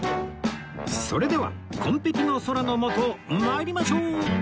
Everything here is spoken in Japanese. それでは「紺碧の空」のもと参りましょう